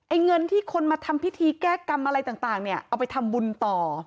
เงินที่คนมาทำพิธีแก้กรรมอะไรต่างเนี่ยเอาไปทำบุญต่อ